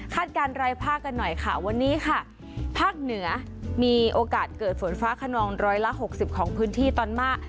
การรายภาคกันหน่อยค่ะวันนี้ค่ะภาคเหนือมีโอกาสเกิดฝนฟ้าขนองร้อยละหกสิบของพื้นที่ตอนมา